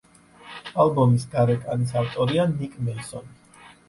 ალბომის გარეკანის ავტორია ნიკ მეისონი.